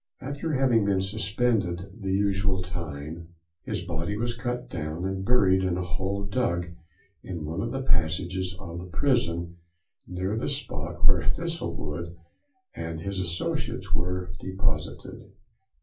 After having been suspended the usual time, his body was cut down, and buried in a hole dug in one of the passages of the prison, near the spot where Thistlewood and his associates were deposited.